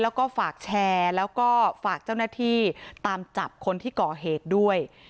แล้วก็ฝากแชร์แล้วก็ฝากเจ้าหน้าที่ตามจับคนที่ก่อเหตุด้วย